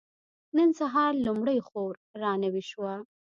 نن سهار لومړۍ خور را نوې شوه.